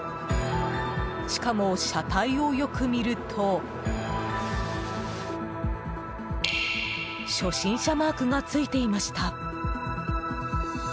しかも車体をよく見ると初心者マークがついていました。